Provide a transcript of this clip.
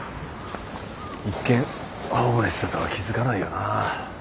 一見ホームレスだとは気付かないよな。